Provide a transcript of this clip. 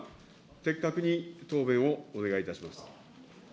的確に答弁をお願いいたします。